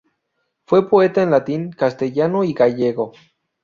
Fue poeta en latín, castellano y gallego.